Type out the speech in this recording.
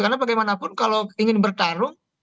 karena bagaimanapun kalau ingin bertarung